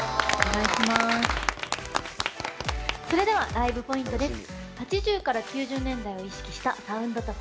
それではライブポイントです。